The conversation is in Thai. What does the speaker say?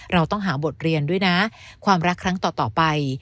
เราต้องหาบทเรียนด้วยนะความรักครั้งต่อไป